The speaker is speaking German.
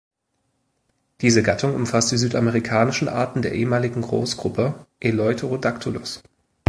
Diese Gattung umfasst die südamerikanischen Arten der ehemaligen Großgruppe "Eleutherodactylus".